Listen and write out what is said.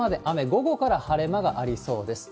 午後から晴れ間がありそうです。